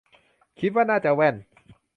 คิดว่าน่าจะแว่น